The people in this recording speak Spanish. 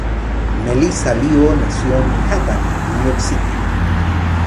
Melissa Leo nació en Manhattan, New York City.